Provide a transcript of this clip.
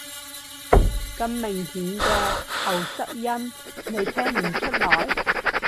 咁明顯嘅喉塞音，你聽唔出來？